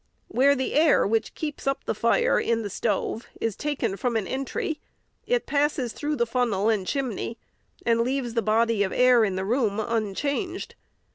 Where the air which keeps up the fire in the stove is taken from an entry, it passes through the funnel and chimney, and leaves the body of air in the room unchanged.